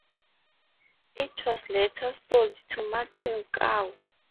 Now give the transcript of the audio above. It was later sold to Martin Kao.